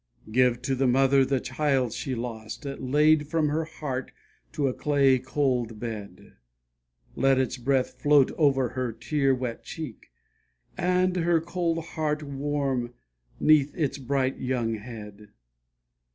Give to the mother the child she lost, Laid from her heart to a clay cold bed; Let its breath float over her tear wet cheek, And her cold heart warm 'neath its bright young head.